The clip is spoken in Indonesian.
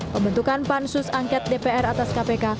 pembentukan pansus angket dpr atas kpk